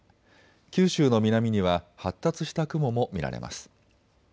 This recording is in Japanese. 九州の南には発達した雲も見られます。